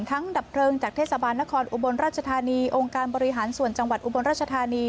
ดับเพลิงจากเทศบาลนครอุบลราชธานีองค์การบริหารส่วนจังหวัดอุบลราชธานี